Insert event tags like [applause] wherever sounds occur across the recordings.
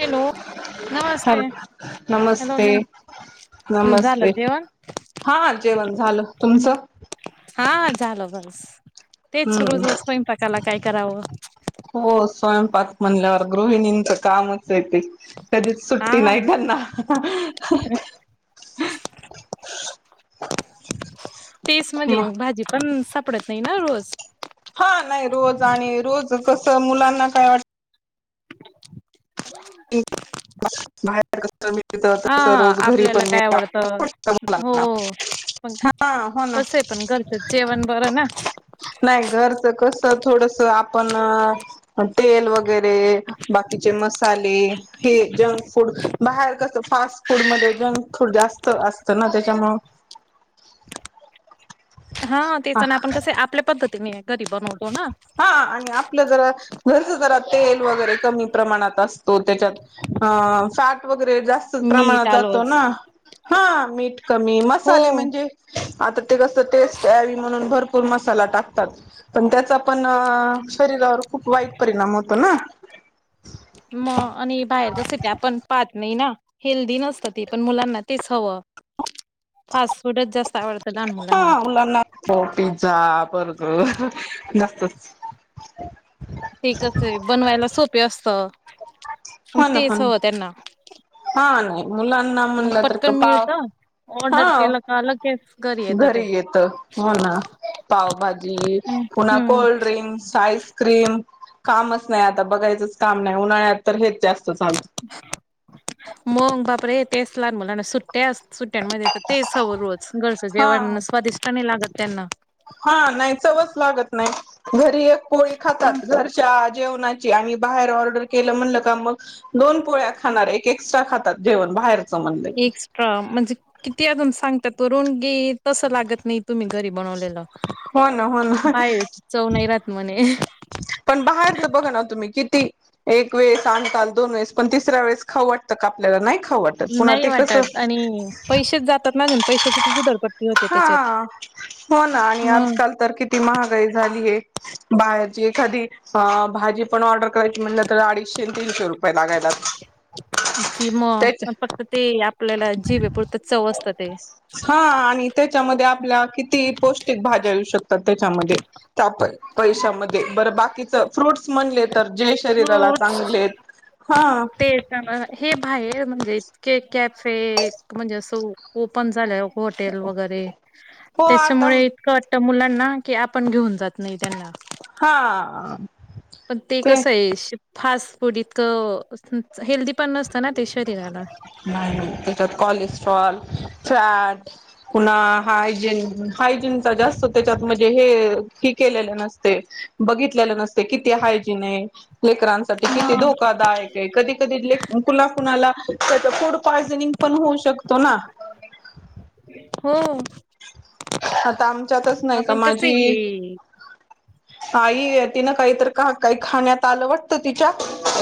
Hello नमस्ते hello नमस्ते. हम्म झालं नमस्ते जेवण. हा जेवण झालं तुमचं. हा झालं बस तेच हम्म रोज स्वयंपाकाला काय करावं. हो स्वयंपाक म्हणल्यावर गृहिणीच कामच येते. कधी सुट्टी हा नाही करना. तेच म्हणजे मग भाजी पण सप डत नाही ना रोज- हा नाही रोज आणि रोज कसं मुलांना काय वाट [inaudible] बाहेर कस मिळत हा तस रोज घरी आपल्याला पण काय मिळ आवडत मुलांना हो. हा हो ना कसे पण घरचेच जेवण बरं ना. नाही घरच कसं थोडस आपण तेल वगैरे बाकीचे मसाले हे जंक फूड बाहेर कसं फास्ट फूड मध्ये जंग फूड जास्त असतं ना त्याच्यामुळं हा तेच ना आपण कस आपल्या पद्धतीने घरी बनवतो ना. हा आणि आपलं जरा घरच जरा तेल वगैरे कमी प्रमाणात असतो त्याच्यात अ फॅट वगैरे जास्त मीठ प्रमाणात जातो आलोच ना. हा मीठ कमी हो मसाले म्हणजे आता ते कस टेस्ट यावी म्हणून भरपूर मसाला टाकतात पण त्याचा पण शरीरावर खूप वाईट परिणाम होतो ना मग आणि बाहेर कस ते आपण पाहत नाही ना हेल्दी नसतं ते पण मुलांना तेच हवं फास्ट फूडच जास्त आवडतं लहान हा मुलांना उला नातो पिझ्झा बर्गर तर ते कस आहे बनवायला सोपे असत पण हो ना हो तेच ना हवं त्यांना हा नाही मुलांना मग म्हणलं तर का पटकन पाव मिळत ऑर्डर हा केला की घरी येत हो ना पावभाजी पुन्हा हम्म कोल्ड्रिंक्स आईस्क्रीम कामच नाही आता बघायचंच काम नाही उन्हाळ्यात तर हे मंग बाप रे तेच ना मूला ना सुट्ट त्या सुट्ट्यांमध्ये तर तेच ह रोज गरच हा जेवण स्वादिष्ट नाही लागत त्यांना हा नाही चवच लागत नाही घरी एक पोळी हा खातात घरच्या जेवणाची आणि बाहेर ऑर्डर केलं म्हणलं का मग दोन पोळ्या खाणार एक एक्स्ट्रा खाणार जेवण बाहेर एक्स्ट्रा म्हणजे किती अजून सांगतात [inaudible] घे तसं लागत नाही तुम्ही घरी बनवलेलं हो ना हो ना बाहेर च चव नाही राहात म्हणे पण बाहेर तर बघा ना तुम्ही किती एक वेळेस आणकाल दोन वेस पण तिसऱ्या वेळेस खाऊ वाटतं का आपल्याला नाही खाऊ वाटत पुन्हा नाही ते कसं वाटात आणि पैसेच जातात ना पैशाचे उधडपड हा हो ना आणि मग आजकाल तर किती महागाई झाली आहे बाहरची एखादी भाजी पण ऑर्डर करायची म्हण तर आडीचशे तीनशे रुपये लागायला कि त्याच्या मग फक्त ते आपल्याला जिभे पुरत चव असतात हा आणि त्याच्यामध्ये आपल्या किती पौष्टिक भाज्या येऊ शकतात त्याच्यामध्ये त्या पैशामध्ये बरं बाकीच फ्रूट्स म्हणले तर जे शरीराला फ्रूट्स चांगलेत... हा ते हे बाहेर म्हणजे इतके कॅफे म्हणजे असं ओपन झालं हॉटेल वगैरे हो आता त्याच्यामुळे इतकं वाटत मुलांना की आपण घेऊन जात नाही त्यांना हा पण ते कस आहे फास्ट फूड इतकं हेल्दी पण नसतं ना ते शरीराला. नाही नाही त्याच्यात कोलेस्ट्रॉल चॅट पुन्हा हायजीन हायजीनचा जास्त त्याच्यात म्हणजे हे हि केलेलं नसते, बघितलेलं नसते, किती हायजीन आहे? लेकरांसाठी किती मग धोकादायक आहे?.... कधी कधी ले कुणा कुणाला तर फूड पॉयझनिंग पण होऊ शकतो ना हुं.. आता आमच्यातच नाही का आपण कस माझी हे आई तिनं काहीतर काही खाण्यात आलं वाटतं तिच्या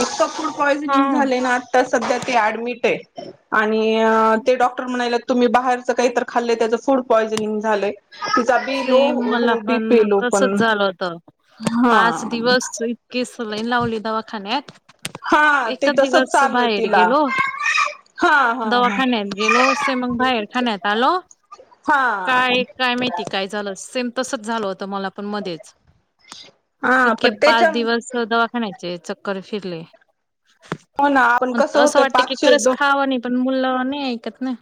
इतक फूड पॉयझनिंग हा. झाले ना आत्ता सध्या ती ऍडमिट आहे आणि ते डॉक्टर म्हणालयात तुम्ही बाहेरचं काहीतर खाल्लंय त्याचं फूड पॉयजनिंग झालं सेम मला पण लो तसच पण झालं होत हा पाच दिवस इतके सलाईन लावली दवाखान्यात हा ते एकच तसच दिवस चालू आहे बाहेर तिला गेलो हा हा हा दवाखान्यात गेलोे से मग बाहेर खान्यात आलो हा काय काय माहिती काय झालं सेम तसच झालं होतं मला पण मध्येच हा इतके पण पाच त्याच्या दिवस दवाखान्याचे चक्कर फिरले हो ना आपण कसं असं होतंय वाटत की, पाचशे खरंच दोन खावं नाही मुलं नाही ऐकत ना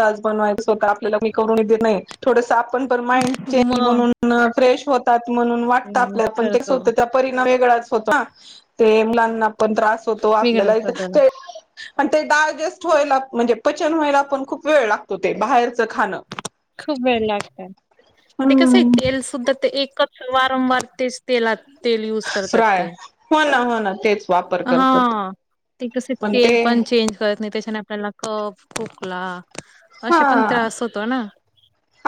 ताजं बनवायच होत आपल्याला मी करून देते तर नाही थोडस आप पण माइंड चेंज मग म्हणून फ्रेश होतात म्हणून वाटत हम्म आपल्या पण तेच करतो होतं त्या परिणाम वेगळाच होतो ना ते मुलांना पण त्रास होतो आपल्याला बिघडत तर ही पण ते डायजेस्ट व्हायला म्हणजे पचन व्हायला पण खूप वेळ लागतो ते बाहेरचं खाणं खूप वेळ लागतात ते कसं आहे हम्म तेल सुद्धा ते एकच वारंवार तेच तेलात तेल युज करतात फ्राय ते.. हो ना हो ना तेच वापर करतात हा.. ते कस तेल पण चेंज करत नाही. आपल्याला कप, खोकला असा पण हा त्रास होतो ना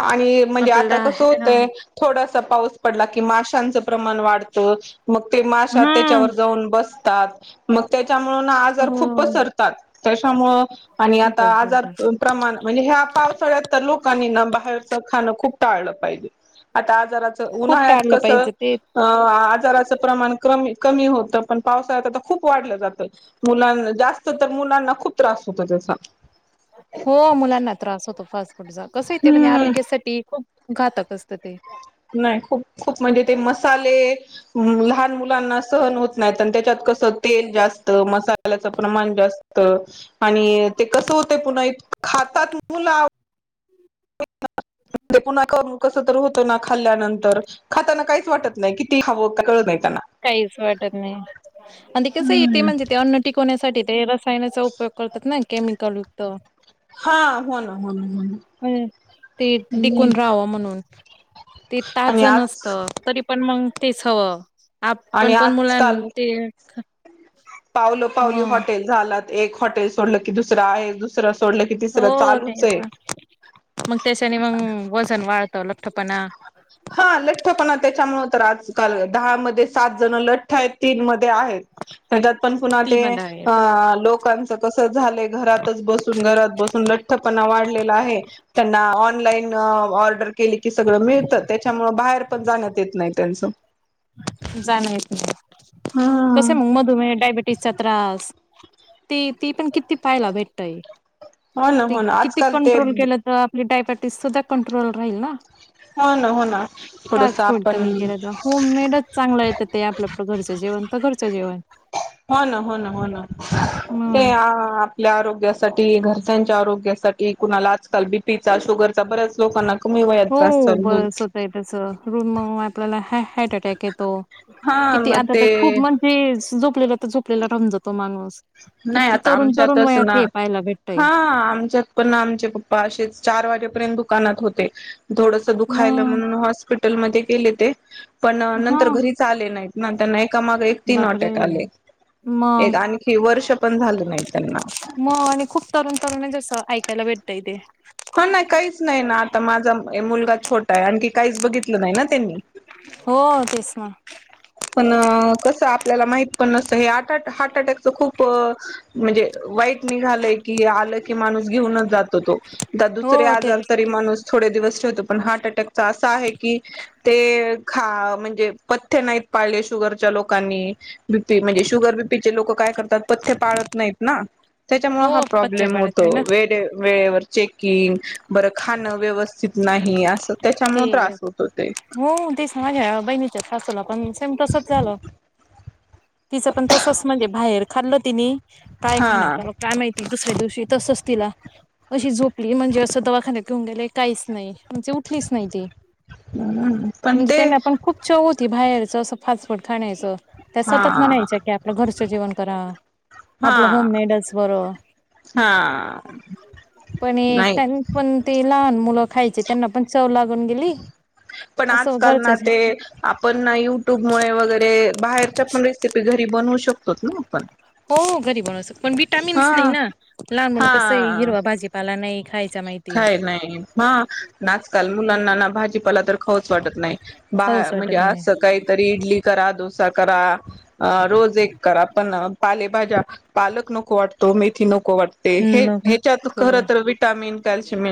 आणि म्हणजे आपल्याला आता कसं हा होतय थोडासा पाऊस पडला की माश्यांच प्रमाण वाढत मग ते माशा हा त्याच्यावर जाऊन बसतात मग त्याच्यामुळं हो आजार खूप पसरतात त्याच्यामुळं आणि आता खूपच आजार खूपच. प्रमाण म्हणजे ह्या पावसाळ्यात तर लोकांनी न बाहेर च खाणं खूप टाळलं पाहिजे. आता जरास खूप उन्हाळ्यात टाळलं पाहिजे ते कसं आजाराच प्रमाण कमी कमी होतं पण पावसाळ्यात आता खूप वाढलं जातं मुलां जास्त तर मुलांना खूप त्रास होतो असा हो मुलांना त्रास होतो फास्ट फूडचा कसंय ते म्हणजे हम्म आरोग्यासाठी खूप घातक असतं ते नाही खूप खूप म्हणजे ते मसाले नाय तर त्याच्यात कसं तेल जास्त, मसाल्याचं प्रमाण जास्त आणि ते कसं होतय पुन्हा खातात मुलं आव ते पुन्हा करून कसतर होतं ना. खाल्ल्यानंतर. खाताना काहींच हीच वाटत नाही. किती खावं कळत नाही. त्यांना काहीच वाटत नाही. आणि ते कसं ते म्हणजे ते अन्न टिकवण्यासाठी ते रस. सायनाचा उपयोग करतात नाई. केमिकल-युक्त. हा हो ना हो ना हो अ ते ना टिकून राहावं म्हणून. ते आणि ताजं आज नसत तरी पण मग तेच हवं. आणि आपण पण मुलां आजकाल ते पावलो-पावली मग हॉटेल झाल्यात. एक हॉटेल सोडलं की दुसरं आहे. दुसरं सोडलं की तिसरं हो चालूच तेच आहे ना. मग त्याच्याने मग वजन वाढतं लठ्ठपणा हा लठ्ठपणा त्याच्यामुळे तर आजकाल दहा मध्ये सात-जण लठ्ठ आहेत तीन मध्ये आहेत त्याच्यात पण पुन्हा ती ते. मध आहेत लोकांच तस झालंय घरातच बसुन घरात बसून लठ्ठपणा वाढलेला आहे. त्यांना ऑनलाईन ऑर्डर केली की सगळं मिळतं. त्याच्यामुळे बाहेर पण जाण्यात येत नाही त्यांच. जाणवत नाही. कस हम्म. मग मधुमेहा मुळे डायबेटीसचा त्रास. ते ती पण किती पायला भेटय हो ना ते हो ना किती आजकाल ते कंट्रोल केलं त डयबेटीस सुधा कंट्रोल राहिल ना. हो ना हो ना थोडस फास्-फूड आपण कमी केल त होममेड चांगलं येतं. ते आपलं आपल घरचं जेवण. तर घरचं जेवण. हो ना. हो ना. हो ना. मग ते आपल्या आरोग्यासाठी घर च्या आरोग्यासाठी कुणाला आजकाल बीपीचा शुगर चा बऱच हो बरच होतंय त्याच रूम म आपल्याला हा हार्ट अटॅक येतो. हा किती. मग आता तर ते खूप म्हणजे झोपलेला तर. झोपलेला राहुन जातो माणूस. नाही किती आता तरुण तरुण आमच्यातच वयात ना हे पाहायला भेटतय हां आमच्यात पण आमचे पप्पा असे चार वाजेपर्यंत दुकानात होते, थोडसं दुखायलं मग म्हणून हॉस्पि टलमध्ये गेले ते पण हा नंतर घरीच आले नाहीत ना त्यांना एकामागं एक तीन बापरे. अटॅक आले एक आणि म आणि खूप तरुण [unintelligible] ऐकायला भेटतय ते. [unintelligible] काहीच नाही ना आता माझा ये मुलगा छोटा आहे आणखी काहीच बघितलं नाही ना त्यांनी. हो तेच ना. पण कसं आपल्याला माहित पण नसत, हे आ हार्ट अटॅकच खूप म्हणजे वाईट निघालंय की आलं की माणूस घेऊनच जात. तो हो दुसर ते आजार तरी माणूस थोडे दिवस ठेवतो पण हार्ट अटॅक असा आहे की ते खा म्हणजे पथ्य नाहीत पाळले शुगरच्या लोकांनी बीपी म्हणजे शुगर बीपीचे लोक काय करतात पथ्ये पाळत नाहीत ना. त्याच्यामुळे हो हा पथ्य प्रॉब्लेम पाडत होतो नाही ना वे वेळेवर चेकिंग बर खाणं व्यवस् ते होतो ते हो ते सज बहिणीच्या सासुला पण सेम तसच झालं तिचं पण तसच म्हणजे बाहेर खाल्लं तिने. काय हा खाण्यात आल काय माहिती, दुसऱ्या दिवशी तसच तिला अशी झोपली म्हणजे असं दवाखान्यात घेउन गेले काहीच नाही. म्हणजे उठलीच नाही ती, पण म्हणजे ते त्यांना पण खूप चव होती बाहेर अस फास्ट फूड खाण्यायचं त्या हा सतत म्हणायच्या की आपलं घरचं जेवन करा. हा आपलं होम मेडच बर. हा. पण एक नाही त्यां पण ते लहान मुलं खायचे त्यांना पण दिली. पण आजकाल ना ते आपण युट्यूबमुळे वगैरे बाहेरच्या पण रेसिपी घरी बनू शक हो घरी बनू श पण हा विटामिन्स नाही ना लहान मुण कसं हा हिरवा भाजीपाला नाही. खायचा माहिती काय नाही ह आजकाल मुलांना ना भाजी पाला तर खाऊच वाटत नाही, बा खाऊच म्हणजे वाटत नाही अस काहीतरी इडली करा डोसा करा. रोज एक करा पण पालेभाज्या पालक नको वाटतो मेथी, नको वाटते हे ह्याच्यात नको खर तरवी विटामिन, कॅल्शिम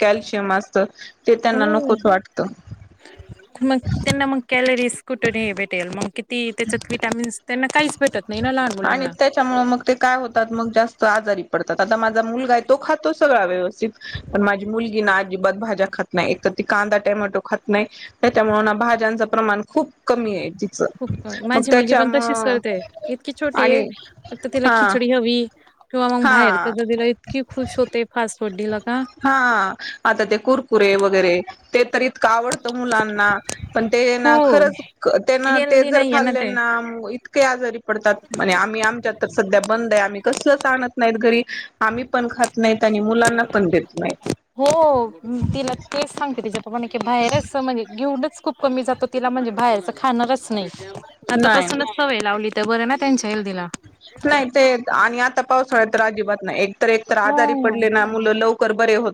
कॅल्शियम असतं ते त्यांना हो नकोच वाटतं. मग त्यांना मग कॅलरीज कुठेरी हे भेटेल मग किती त्याच्यात विटॅमिन्स त्यांना काही आणि त्याच्यामुळे मग ते काय होतात मग जास्त आजारी पडतात आता माझा मुलगा तो खातो सगळा वथ पण माझी मुलगी ना अजिबात भाज्या खात नाही एक तर ती कांदा टमॅटो खात नाही त्याच्यामुळे भाज्यांच प्रमाण खूप कमी आहे तिचं खूप मग माझी मुलगी पण तशीच त्याच्यामुळं करते इतकी छोटी आहे आणि फक्त तिला हा खिचडी हवी किंवा मग बाहेरच्या हा जला इतकी खुश होते फास्ट फू हा आता ते कुरकुरे वगैरे ते तरी आवडत मुलांना पण ते ना खूप खरंच ते हेल्दी जर नाहीये ना ते. खाल्ल्याना इतके आजारी पडतात म्ह आम्ही आमच्यात तर सध्या बंद आहे आम्ही कसलं सांगत नाहीत घरी आम्ही पण खात नाहीत आणि मुला हो तिला तेच सांगते तिच्यातमाण बाहेरच म्हणजे घेऊनच खूप कमी जातो तिला म्हणजे बाहेरच खाणारच नाही आता नाही पसूनच सवय लावली तर बरं ना त्यांच्या हेल्दीला नाही ते आणि आता पावसाळ्या तर अजिबात नाही एकत एक तर आजारी हो पडले ना मुलं लवकर बरे हो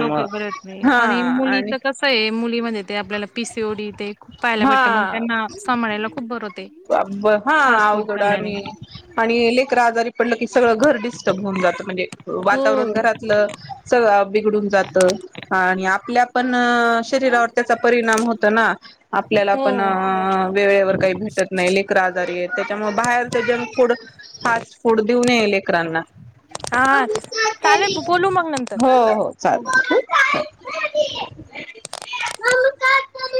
लोकल बरत नाही आणि आणि मुलीच कसं आहे मुलीमध्ये ते आपल्याला पिसओडी ते खूप पाहाला वाटतं मग हा त्यांना सांायला खूप बरं हो हा अवघड आणि आणि लेकराजारी पडलं की सगळं घर डिस्टर्ब होऊन जात म्हणजे हो वातावरण घरातलं स बड जात आप पण शरीरावर त्याचा परिणाम होत ना आपल्याला हो पण वेळेवर काही भेट नाही लेकर आजारी त्याच्यामुळे बाहेरच जंक फूड फास्ट फूड देऊ नये लेकरांना हां चालेल बोलू मग नंतर. हो हो चालेल.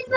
[unintelligible] [inaudible]